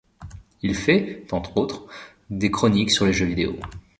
Il fait entre autres des chroniques sur les jeux vidéo.